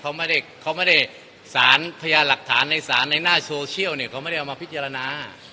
เขาไม่ได้เขาไม่ได้สารพญาหลักฐานในศาลในหน้าโซเชียลเนี่ยเขาไม่ได้เอามาพิจารณา